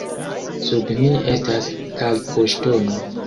Sub ni estas kalkoŝtono.